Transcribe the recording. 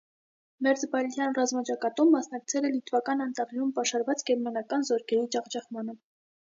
Մերձբալթյան ռազմաճակատում մասնակցել է լիտվական անտառներում պաշարված գերմանական զորքերի ջախջախմանը։